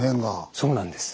そうなんです。